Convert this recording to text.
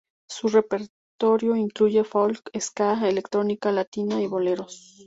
Su repertorio incluye folk, ska, electrónica, latina y boleros.